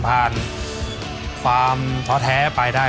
ผ่านความท้อแท้ไปได้